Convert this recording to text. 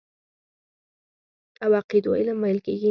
او عقيدو علم ويل کېږي.